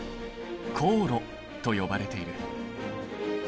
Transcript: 高炉と呼ばれている。